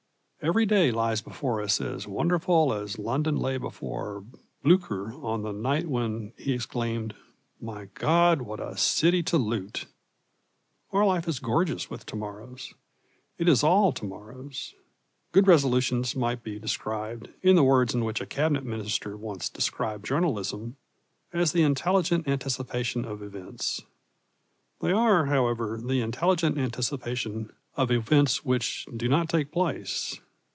Every day lies before us as wonderful as London lay before Blücher on the night when he exclaimed: "My God, what a city to loot!" Our life is gorgeous with to morrows. It is all to morrows. Good resolutions might be described, in the words in which a Cabinet Minister once described journalism, as the intelligent anticipation of events. They are, however, the intelligent anticipation of events which do not take place.